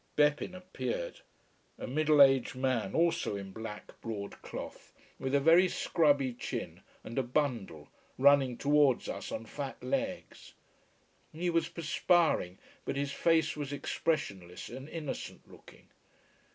Beppin' appeared, a middle aged man also in black broad cloth, with a very scrubby chin and a bundle, running towards us on fat legs. He was perspiring, but his face was expressionless and innocent looking.